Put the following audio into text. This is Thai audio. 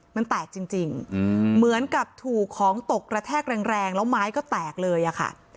มันแตกจริงเหมือนกับถูกของตกกระแทกแรงแล้วไม้ก็แตกเลยอะค่ะ